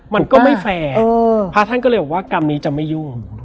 มันก็ไม่แฟร์พระท่านก็เลยบอกว่ากรรมนี้จะไม่ยุ่ง